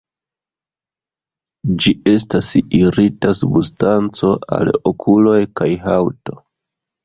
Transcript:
Ĝi estas irita substanco al okuloj kaj haŭto.